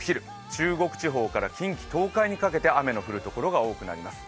中国地方から近畿、東海にかけて雨の降る所が多くなります。